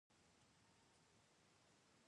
علي په خپل باور او اعتماد باندې ډېر خلک غولولي دي.